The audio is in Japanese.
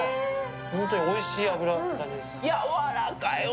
本当においしい脂っていう感じです。